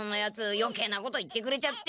よけいなこと言ってくれちゃって。